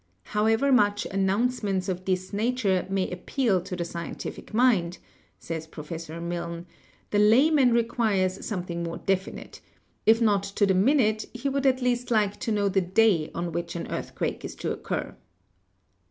"However much announce ments of this nature may appeal to the scientific mind," says Professor Milne, "the layman requires something more definite — if not to the minute he would at least like to know the day on which an earthquake is to occur."